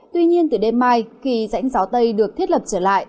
tuy nhiên từ đêm mai khi rãnh gió tây được thiết lập trở lại